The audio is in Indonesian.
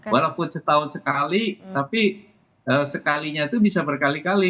walaupun setahun sekali tapi sekalinya itu bisa berkali kali